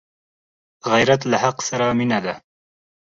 غیرت له حق سره مینه ده